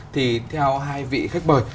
thì theo hai vị khách mời